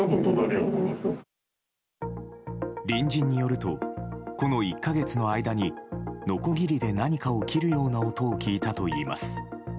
隣人によるとこの１か月の間にのこぎりで何かを切るような音を聞いたといいます。